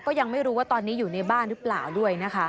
ยังไม่รู้ว่าตอนนี้อยู่ในบ้านหรือเปล่าด้วยนะคะ